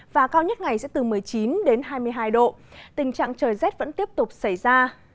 và cao nhất ngày sẽ từ một mươi chín đến hai mươi hai độ tình trạng trời rét vẫn tiếp tục xảy ra